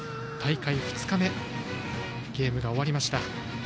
大会２日目のゲームが終わりました。